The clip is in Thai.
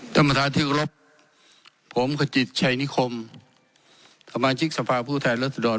ต้นประทานที่รบผมขจิตชัยนิคมสมัครที่สามารถผู้แทนรสดร